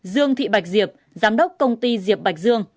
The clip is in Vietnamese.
dương thị bạch diệp giám đốc công ty diệp bạch dương